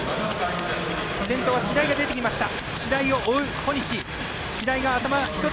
先頭は白井が出てきました。